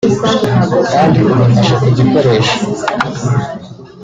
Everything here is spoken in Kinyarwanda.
kandi udafashe ku gikoresho